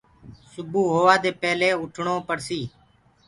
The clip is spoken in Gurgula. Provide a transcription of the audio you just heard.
سبو هووآ دي پيلي اُٺڻو پڙسيٚ